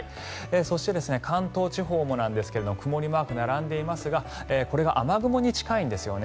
そして、関東地方もなんですが曇りマーク並んでいますがこれが雨雲に近いんですね。